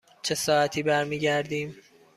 چه ساعتی برمی گردیم؟